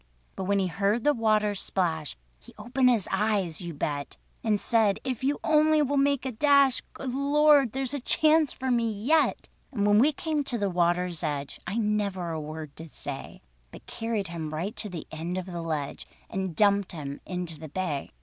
But when he heard the water splash, He opened his eyes—you bet! And said: "If you only will make a dash— Good Lord! there's a chance for me yet!" And when we came to the water's edge, I never a word did say, But carried him right to the end of the Ledge, And dumped him into the Bay.